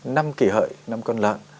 năm kỷ hợi năm con lợn